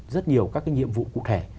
rất nhiều các cái nhiệm vụ cụ thể